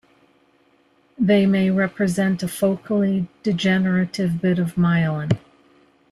They may represent a focally degenerative bit of myelin.